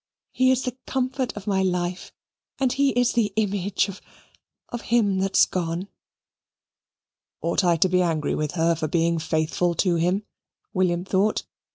He is the comfort of my life and he is the image of of him that's gone!" "Ought I to be angry with her for being faithful to him?" William thought.